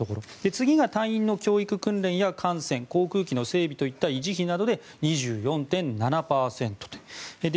次が隊員の教育訓練や艦船・航空機の整備などといった維持費で２４．７％と。